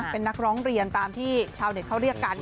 เป็นนักร้องเรียนตามที่ชาวเน็ตเขาเรียกกัน